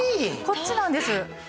こっちなんです。